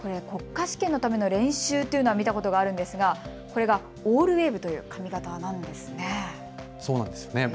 国家試験のための練習というのを見たことがあるのですが、これがオールウェーブという髪形なんですね。